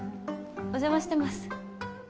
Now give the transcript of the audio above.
お邪魔してます